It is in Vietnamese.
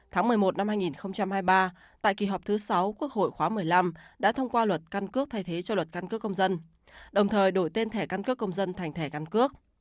tháng một mươi một năm hai nghìn hai mươi ba tại kỳ họp thứ sáu quốc hội khóa một mươi năm đã thông qua luật căn cước thay thế cho luật căn cước công dân đồng thời đổi tên thẻ căn cước công dân thành thẻ căn cước